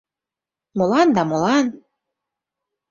— Молан да молан!